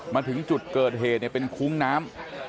มาถึงจุดเกิดเหตุเป็นคุ้งน้ำ